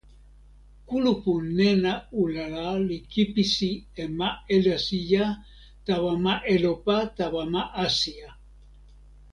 kulupu nena Ulala li kipisi e ma Elasija tawa ma Elopa tawa ma Asija.